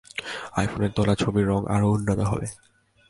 আইফোনের তোলা ছবির রং আরও উন্নত হবে।